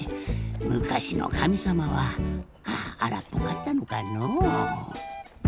むかしのかみさまはあらっぽかったのかのう。